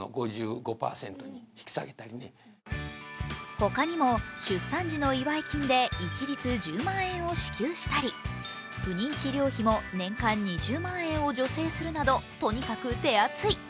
他にも、出産時の祝い金で一律１０万円を支給したり不妊治療費も年間２０万円を助成するなど、とにかく手厚い。